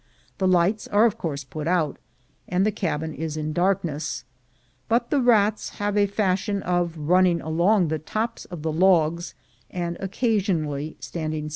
The lights are of course put out, and the cabin is in dark ness; but the rats have a fashion of running along the tops of the logs, and occasionally standing still.